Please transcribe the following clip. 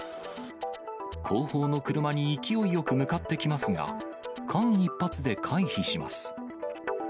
後方の車に勢いよく向かってきますが、間一髪で回避します。